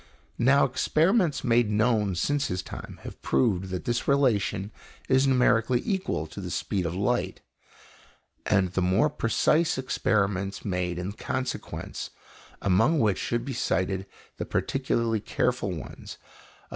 Now, experiments made known since his time have proved that this relation is numerically equal to the speed of light, and the more precise experiments made in consequence among which should be cited the particularly careful ones of M.